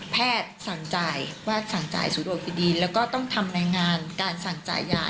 แพทย์สั่งจ่ายว่าสั่งจ่ายซูโดอีฟิดีนแล้วก็ต้องทำแรงงานการสั่งจ่ายยา